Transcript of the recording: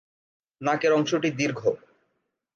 নাকের অংশটি দীর্ঘ।